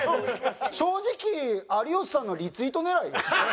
正直有吉さんのリツイート狙いよ。